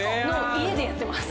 家でやってます。